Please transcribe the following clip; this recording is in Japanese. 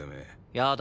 やだ。